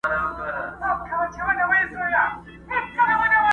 کليوال ځوانان په طنز خبري کوي او خندا کوي.